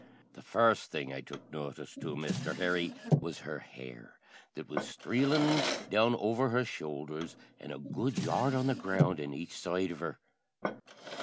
The first thing I tuk notice to, Misther Harry, was her hair, that was sthreelin' down over his showldhers, an' a good yard on the ground on aich side of her.